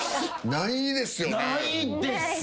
ないですよね。